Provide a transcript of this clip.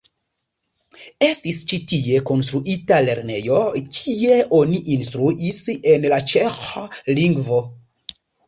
Estis ĉi tie konstruita lernejo, kie oni instruis en la ĉeĥa lingvo.